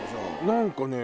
何かね